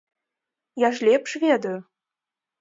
Я ж лепш ведаю!